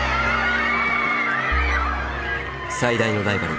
最大のライバル